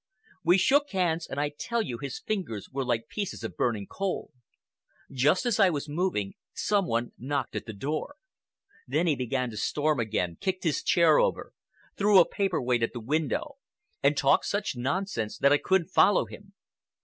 We shook hands, and I tell you his fingers were like pieces of burning coal. Just as I was moving, some one knocked at the door. Then he began to storm again, kicked his chair over, threw a paperweight at the window, and talked such nonsense that I couldn't follow him.